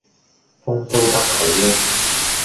風騷得佢吖